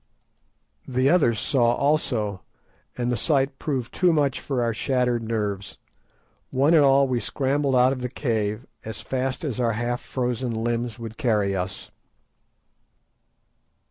The others saw also, and the sight proved too much for our shattered nerves. One and all we scrambled out of the cave as fast as our half frozen limbs would carry us.